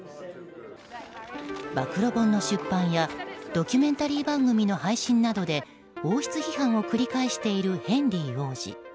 暴露本の出版やドキュメンタリー番組の配信などで王室批判を繰り返しているヘンリー王子。